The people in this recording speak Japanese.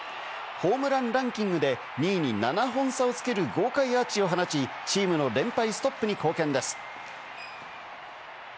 ホームランランキングで２位に７本差をつける豪快アーチを放ち、チームの連敗ストップに貢献です。